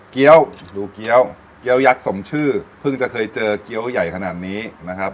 เกี้ยวดูเกี้ยวเกี้ยวยักษ์สมชื่อเพิ่งจะเคยเจอเกี้ยวใหญ่ขนาดนี้นะครับ